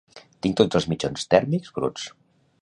Tinc tots els mitjons tèrmics bruts